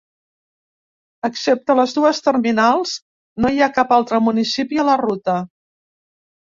Excepte les dues terminals, no hi ha cap altre municipi a la ruta.